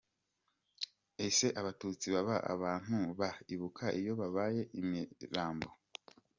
Ese abatutsi baba “abantu ba Ibuka” iyo babaye imirambo?